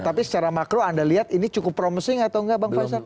tapi secara makro anda lihat ini cukup promising atau enggak bang faisal